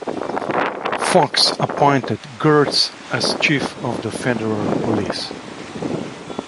Fox appointed Gertz as chief of the Federal Police.